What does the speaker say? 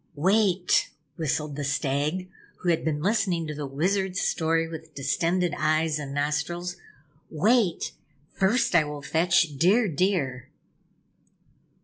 "Wait," whistled the Stag, who had been listening to the Wizard's story with distended eyes and nostrils. "Wait, first I will fetch Dear Deer."